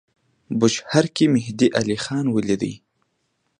بوشهر کې مهدی علیخان ولیدی.